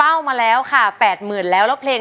คุณยายแดงคะทำไมต้องซื้อลำโพงและเครื่องเสียง